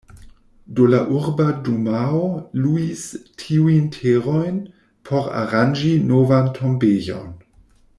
Do la Urba Dumao luis tiujn terojn por aranĝi novan tombejon.